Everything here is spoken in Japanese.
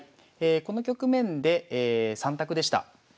この局面で３択でした。